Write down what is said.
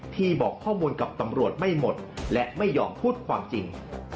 ที่บอกข้อมูลกับตำรวจไม่หมดและไม่ยอมพูดความจริง